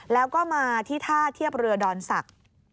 แล้วก็มาที่ท่าเทียบเรือดอนศักดิ์